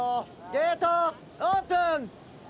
ゲートオープン！